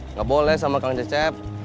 nggak boleh sama kang cecep